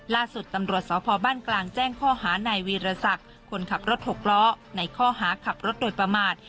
ล่าสุดตำรวจสพบ้านกลางแจ้งข้อหานายวีรศักดิ์คนขับรถหกล้อในข้อหาขับรถโดยประมาท